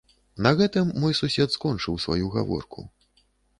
На гэтым мой сусед скончыў сваю гаворку.